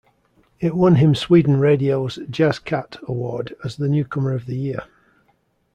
It won him Sweden Radio's Jazz Cat award as the newcomer of the year.